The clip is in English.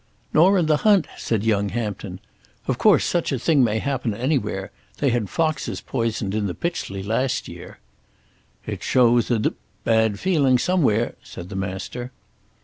"Nor in the hunt," said young Hampton. "Of course such a thing may happen anywhere. They had foxes poisoned in the Pytchley last year." "It shows a d bad feeling somewhere," said the Master.